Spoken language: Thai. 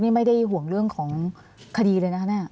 นี่ไม่ได้ห่วงเรื่องของคดีเลยนะคะเนี่ย